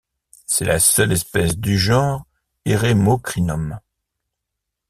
C'est la seule espèce du genre Eremocrinum.